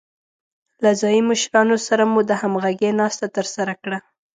له ځايي مشرانو سره مو د همغږۍ ناسته ترسره کړه.